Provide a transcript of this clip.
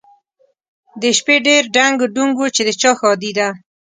د شپې ډېر ډنګ ډونګ و چې د چا ښادي ده؟